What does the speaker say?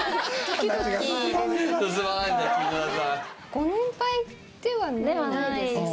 ご年配ではないですよね？